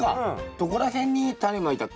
どこら辺にタネまいたっけ？